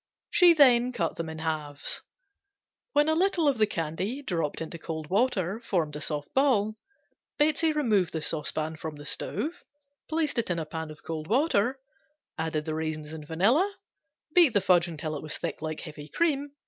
She then cut them in halves. When a little of the candy dropped into cold water formed a soft ball Betsey removed the saucepan from the stove, placed it in a pan of cold water, added the raisins and vanilla, beat the fudge until it was thick like heavy cream, poured quickly into a buttered pan and marked in squares.